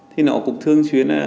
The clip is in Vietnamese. thì nó cũng thường xuyên